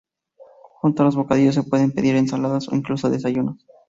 Junto a los bocadillos se pueden pedir ensaladas o incluso desayunos.